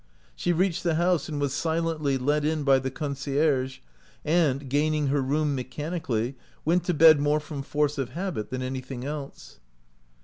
She reached the house and was silently let in by the concierge, and, gaining her room me chanically, went to bed more from force of habit than anything else.